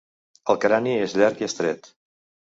El crani és llarg i estret.